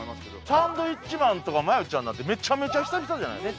サンドウィッチマンとか真由ちゃんなんてめちゃめちゃ久々じゃない？